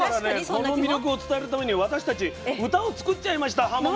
この魅力を伝えるために私たち歌を作っちゃいましたはもの。